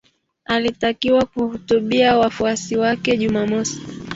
Alitakiwa kuhutubia wafuasi wake Jumamosi.